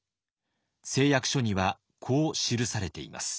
誓約書にはこう記されています。